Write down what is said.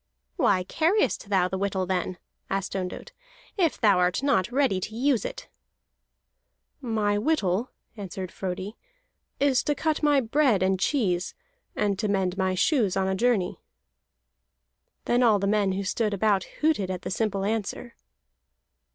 "Why carriest thou the whittle, then," asked Ondott, "if thou art not ready to use it?" "My whittle," answered Frodi, "is to cut my bread and cheese, and to mend my shoes on a journey." Then all the men who stood about hooted at the simple answer.